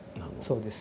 そうですね。